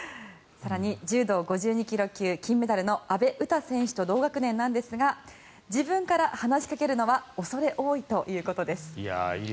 更に柔道５２ｋｇ級金メダルの阿部詩選手と同学年なんですが自分から話しかけるのは恐れ多いということです。